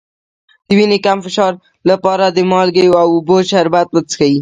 د وینې د کم فشار لپاره د مالګې او اوبو شربت وڅښئ